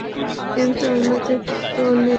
কিন্তু আমাদের তো নেই।